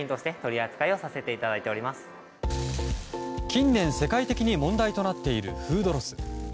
近年、世界的に問題となっているフードロス。